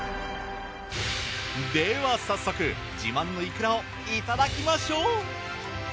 では早速自慢のいくらをいただきましょう！